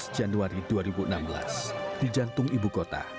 dua belas januari dua ribu enam belas di jantung ibu kota